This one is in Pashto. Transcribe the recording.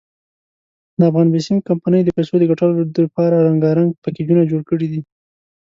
دافغان بېسیم کمپنۍ د پیسو دګټلو ډپاره رنګارنګ پېکېجونه جوړ کړي دي.